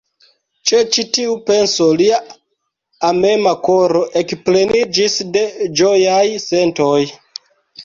Ĉe ĉi tiu penso lia amema koro ekpleniĝis de ĝojaj sentoj.